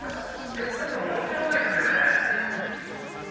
でもちょっと面白いですよね。